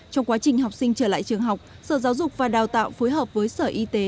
trong quá trình học sinh trở lại trường học sở giáo dục và đào tạo phối hợp với sở y tế